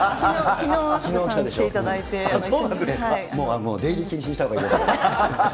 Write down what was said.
もう出入り禁止にしたほうがいいです。